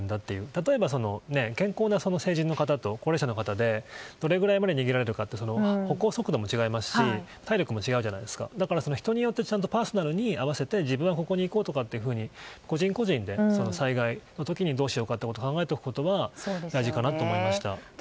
例えば、健康な成人の方と高齢者の方でどれぐらいまで逃げられるかっていう歩行速度も違いますし体力も違うので人によってパーソナルに合わせて自分はここに行こうとか個人個人で災害の時にどうしようかを考えておくことが大事かなと思います。